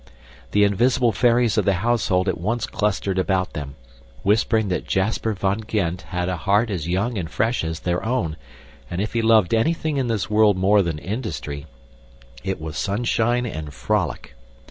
The invisible fairies of the household at once clustered about them, whispering that Jasper van Gend had a heart as young and fresh as their own, and if he loved anything in this world more than industry, it was sunshine and frolic.